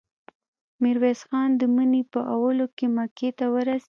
ميرويس خان د مني په اولو کې مکې ته ورسېد.